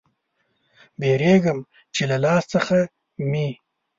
بیریږم چې له لاس څخه مې